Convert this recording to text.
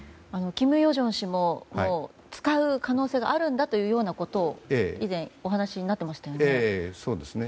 金与正氏も使う可能性があるということを以前お話になっていましたよね。